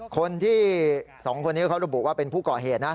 คนที่สองคนนี้เขาระบุว่าเป็นผู้ก่อเหตุนะ